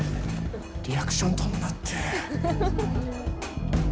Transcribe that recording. リアクションとんなって！